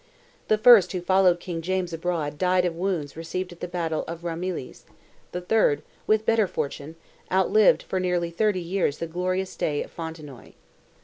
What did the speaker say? The first who followed King James abroad died of wounds received at the battle of Ramillies; the third, with better fortune, outlived for nearly thirty years the glorious day of Fontenoy.